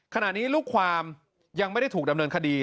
ขณะนี้ลูกความยังไม่ได้ถูกดำเนินคดี